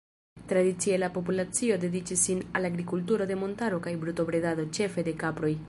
Tradicie la populacio dediĉis sin al agrikulturo de montaro kaj brutobredado, ĉefe de kaproj.